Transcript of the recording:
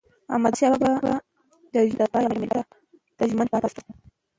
احمدشاه بابا د ژوند تر پایه ملت ته ژمن پاته سو.